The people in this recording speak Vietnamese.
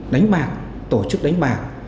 đánh bạc tổ chức đánh bạc